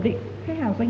theo cái cách thông thường